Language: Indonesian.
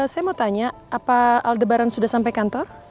saya mau tanya apa lebaran sudah sampai kantor